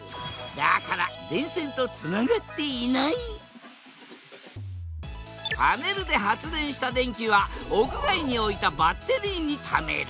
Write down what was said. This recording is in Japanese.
だからパネルで発電した電気は屋外に置いたバッテリーにためる。